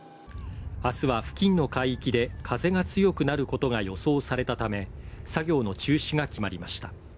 明日は付近の海域で風が強くなることが予想されたため作業の中止が決まりました。